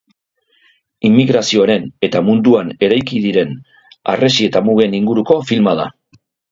Immigrazioaren eta munduan eraiki diren harresi eta mugen inguruko filma da.